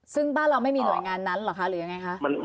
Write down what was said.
ซึ่งบ้านเราไม่มีหน่วยงานนั้นเหรอคะหรือยังไงคะ